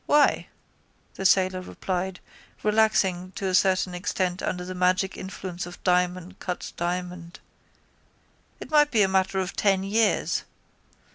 —Why, the sailor replied, relaxing to a certain extent under the magic influence of diamond cut diamond, it might be a matter of ten years.